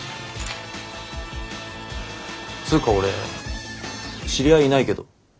つうか俺知り合いいないけど？